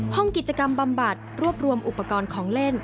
ห้องกิจกรรมบำบัดรวบรวมอุปกรณ์ของเล่น